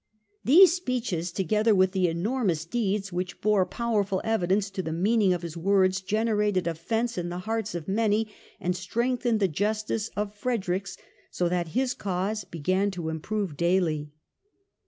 These speeches, together with the enormous deeds which bore powerful evidence to the meaning of his words, generated offence in the hearts of many, and strengthened the justice of Frederick's, so that his cause began to improve daily."